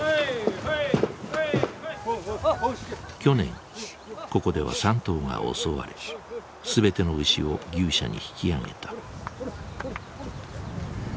去年ここでは３頭が襲われ全ての牛を牛舎に引き揚げた。